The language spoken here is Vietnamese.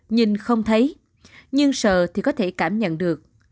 nhìn không thấy nhưng sờ thì có thể cảm nhận được